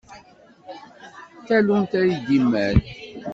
D tallunt ay d imal.